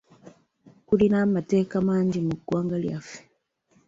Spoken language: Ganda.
Kulina amateeka mangi mu ggwanga lyaffe.